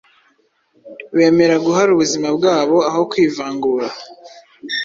bemera guhara ubuzima bwabo aho kwivangura.